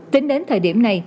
tính đến thời điểm này